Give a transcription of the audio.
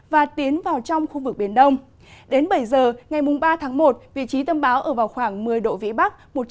và tiến vào trong khu vực biển đông đến bảy giờ ngày ba tháng một vị trí tâm bão ở vào khoảng một mươi độ vĩ bắc